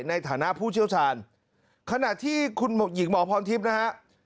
ในฐานะผู้เชี่ยวชาญขณะที่คุณหญิงหมอพรทิพย์นะฮะ